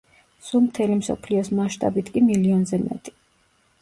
სულ მთელი მსოფლიოს მასშტაბით კი მილიონზე მეტი.